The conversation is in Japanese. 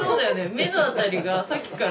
目の辺りがさっきから。